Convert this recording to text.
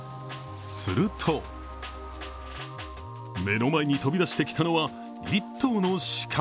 すると目の前に飛び出してきたのは１頭の鹿。